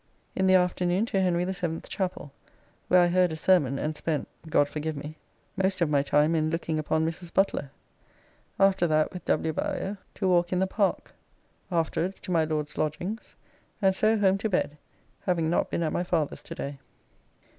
In the afternoon to Henry the Seventh's chapel, where I heard a sermon and spent (God forgive me) most of my time in looking upon Mrs. Butler. After that with W. Bowyer to walk in the Park. Afterwards to my Lord's lodgings, and so home to bed, having not been at my father's to day.